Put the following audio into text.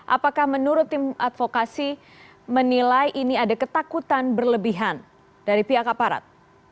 apakah menurut tim advokasi menilai ini ada ketakutan berlebihan dari pihak aparat